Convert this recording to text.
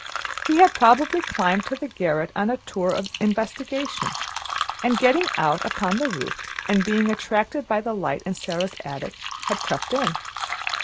He had probably climbed to the garret on a tour of investigation, and getting out upon the roof, and being attracted by the light in Sara's attic, had crept in.